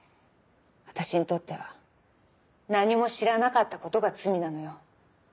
私にとっては何も知らなかったことが罪なのよ。